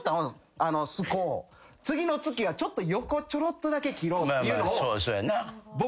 次の月は横ちょろっとだけ切ろうっていうのを僕。